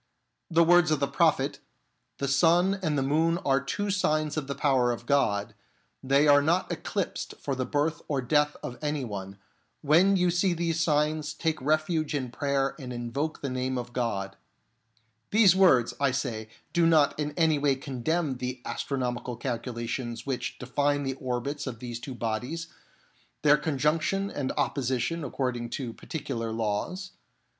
The words of the Prophet, " The sun and the moon are two signs of the power of God ; they are not eclipsed for the birth or the death of any one ; when you see these signs take refuge in prayer and invoke the name of God "— these words, I say, do not in any way < condemn the astronomical calculations which define the orbits of these two bodies, their con junction and opposition according to particular laws.